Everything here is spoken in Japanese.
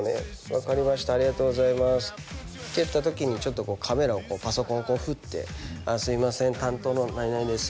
「分かりましたありがとうございます」って言った時にちょっとこうカメラをパソコンをこう振って「すいません担当のなになにです」